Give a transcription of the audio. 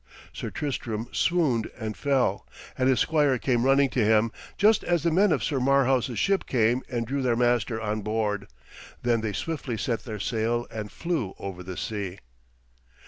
Sir Tristram swooned and fell; and his squire came running to him, just as the men of Sir Marhaus' ship came and drew their master on board. Then they swiftly set their sail and flew over the sea.